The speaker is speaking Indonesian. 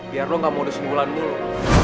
biar lo gak mau disunggulan dulu